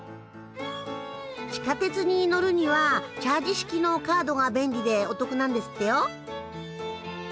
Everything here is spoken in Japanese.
地下鉄に乗るにはチャージ式のカードが便利でお得なんですってよ。